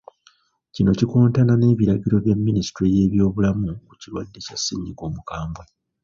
Kino kikontana n’ebiragiro bya Minisitule y’ebyobulamu ku kirwadde kya ssennyiga omukambwe.